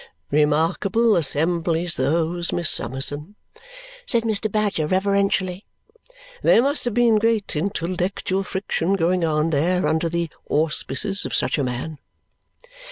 "Remarkable assemblies those, Miss Summerson," said Mr. Badger reverentially. "There must have been great intellectual friction going on there under the auspices of such a man!"